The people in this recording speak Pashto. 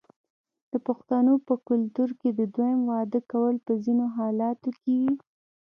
د پښتنو په کلتور کې د دویم واده کول په ځینو حالاتو کې وي.